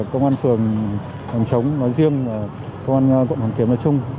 công an phường hồng chống nói riêng công an quận hồng kiếm nói chung